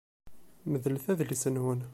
Medlet adlis-nwen.